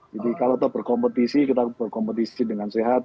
jadi kalau berkompetisi kita berkompetisi dengan sehat